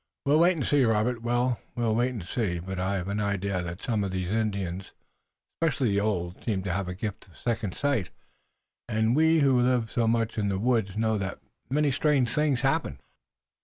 "We'll wait and see, Robert, we'll wait and see, but I've an idea that it will. Some of these Indians, especially the old, seem to have the gift of second sight, and we who live so much in the woods know that many strange things happen."